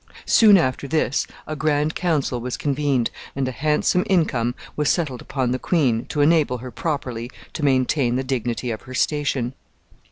Soon after this a grand council was convened, and a handsome income was settled upon the queen, to enable her properly to maintain the dignity of her station.